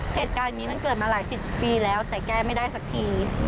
เหตุการณ์นี้มันเกิดมาหลายสิบปีแล้วแต่แก้ไม่ได้สักที